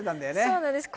そうなんです